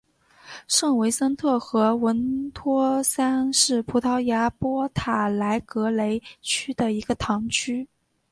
圣维森特和文托萨是葡萄牙波塔莱格雷区的一个堂区。